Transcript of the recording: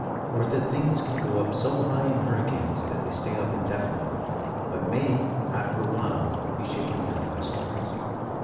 Or that things can go up so high in hurricanes that they stay up indefinitely but may, after a while, be shaken down by storms.